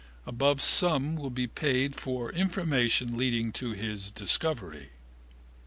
Above sum will be paid for information leading to his discovery.